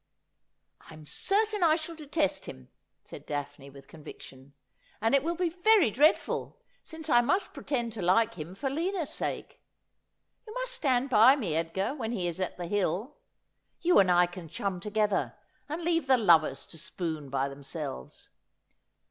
' I'm certain I shall detest him,' said Daphne with convic tion, ' and it will be very dreadful, since I must pretend to like him for Lina's sake. You must stand by me, Edgar, when he is at the Hill. You and I can chum together, and leave the lovers to spoon by themselves.